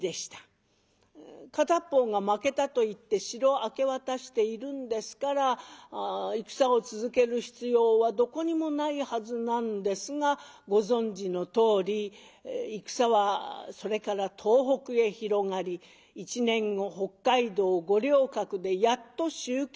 片っ方が負けたと言って城を明け渡しているんですから戦を続ける必要はどこにもないはずなんですがご存じのとおり戦はそれから東北へ広がり１年後北海道五稜郭でやっと終結を見た。